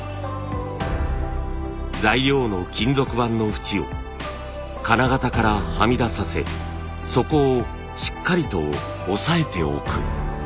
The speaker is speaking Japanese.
材料の金属板のフチを金型からはみ出させそこをしっかりと押さえておく。